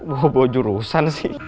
bawa bawa jurusan sih